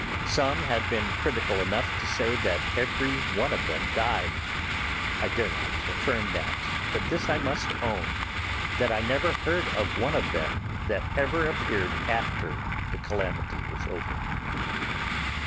Some have been critical enough to say that every one of them died. I dare not affirm that; but this I must own, that I never heard of one of them that ever appeared after the calamity was over.